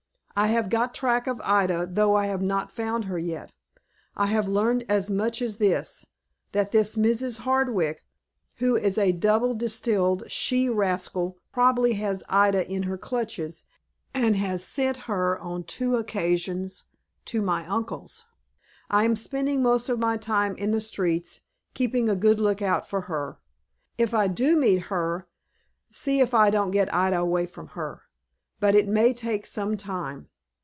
I have got track of Ida, though I have not found her yet. I have learned as much as this, that this Mrs. Hardwick who is a double distilled she rascal probably has Ida in her clutches, and has sent her on two occasions to my uncle's. I am spending most of my time in the streets, keeping a good lookout for her. If I do meet her, see if I don't get Ida away from her. But it may take some time.